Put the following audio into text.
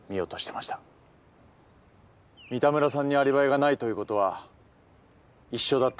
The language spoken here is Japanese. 三田村さんにアリバイがないということは一緒だった